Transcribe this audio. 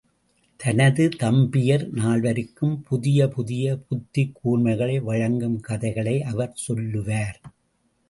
தனது தம்பியர் நால்வருக்கும் புதிய புதிய புத்திக் கூர்மைகளை வழங்கும் கதைகளை அவர் சொல்லுவார்.